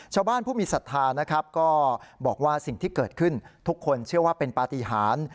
ผู้มีศรัทธานะครับก็บอกว่าสิ่งที่เกิดขึ้นทุกคนเชื่อว่าเป็นปฏิหาร